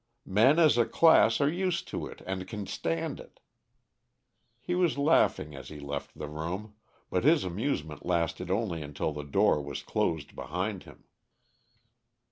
Men as a class are used to it and can stand it." He was laughing as he left the room, but his amusement lasted only until the door was closed behind him.